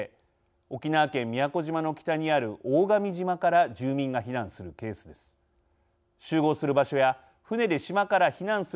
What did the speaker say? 沖縄県宮古島の北にある大神島から住民が避難するケースです。